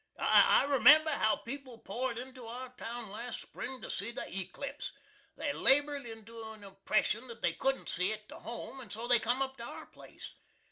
I remember how people poured into our town last Spring to see the Eclipse. They labored into a impression that they couldn't see it to home, and so they cum up to our place.